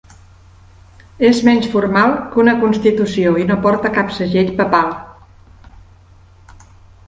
És menys formal que una constitució i no porta cap segell papal.